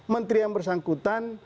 menteri yang bersangkutan